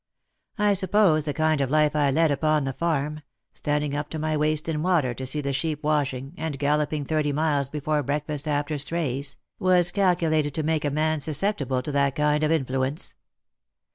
I suppose the kind of life I led upon the farm — standing up to my waist in water to see the sheep washing, and galloping thirty miles before breakfast after strays — was calculated to make a man susceptible to that kind of influence.